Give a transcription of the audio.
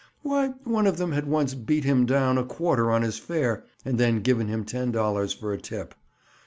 Why, one of them had once "beat him down" a quarter on his fare and then given him ten dollars for a tip.